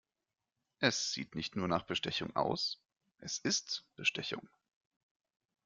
Es sieht nicht nur nach Bestechung aus, es ist Bestechung.